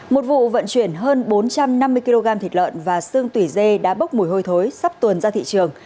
một vụ vận chuyển hơn bốn trăm năm mươi kg thịt lợn và sương tùy dê đã bốc mùi hôi thối sắp tuần ra thị trường